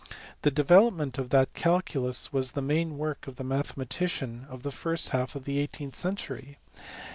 The development of that calculus was the main work of the mathematicians of the first half of the eighteenth century.